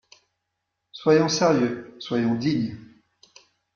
Soyons sérieux, soyons dignes.